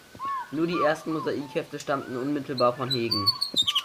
Nur die ersten Mosaik-Hefte stammten unmittelbar von Hegen.